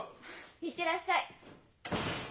行ってらっしゃい。